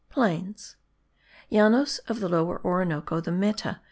PLAINS: Llanos of the Lower Orinoco, the Meta, : 29,000.